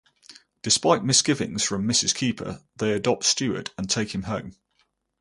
Despite misgivings from Mrs. Keeper, they adopt Stuart and take him home.